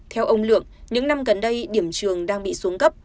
theo ông lượng những năm gần đây điểm trường đang bị xuống cấp